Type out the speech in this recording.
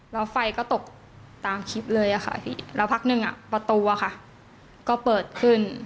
แล้วไฟก็ตกตามคลิปเลยอ่ะค่ะพี่พักหนึ่งประตูก็เปิดขึ้น